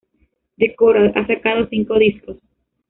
The Coral ha sacado cinco discos.